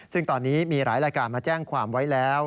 ซึ่งตอนนี้มีหลายรายการมาแจ้งความไว้แล้ว